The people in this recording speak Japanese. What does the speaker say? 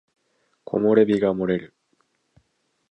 木漏れ日が漏れる